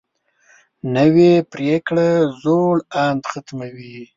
نوې پریکړه زوړ اند ختموي